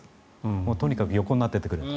もうとにかく横になっていてくれと。